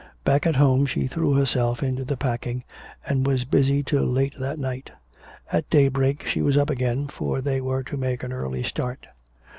Back at home she threw herself into the packing and was busy till late that night. At daybreak she was up again, for they were to make an early start.